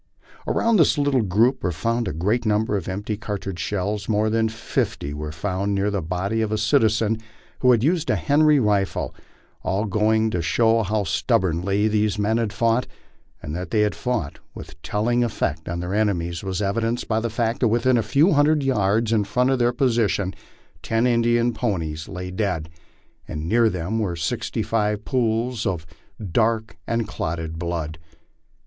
Around this little group were found a great number of empty cartridge shells ; more than fifty were found near the body of a citizen who had used a Henry rifle ; all going to show bow stubbornly these men had fought, and that they had fought with telling effect on their enemies was evidenced by the fact that within a few hundred yards in front of their position ten Indian ponies lay dead, and near by them were sixty five pools of dark and clotted blood.